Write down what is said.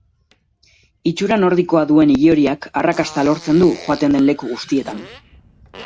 Itxura nordikoa duen ilehoriak arrakasta lortzen du joaten den leku guztietan.